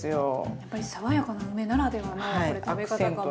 やっぱり爽やかな梅ならではの食べ方かも。